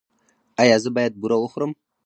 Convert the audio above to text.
ایا زه باید بوره وخورم؟